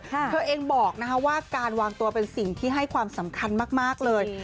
เธอเองบอกว่าการวางตัวเป็นสิ่งที่ให้ความสำคัญมากเลย